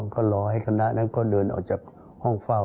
ก็รอให้คณะนั้นก็เดินออกจากห้องเฝ้า